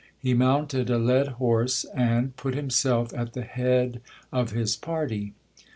He mounted a led horse, and put himself at the head of his party.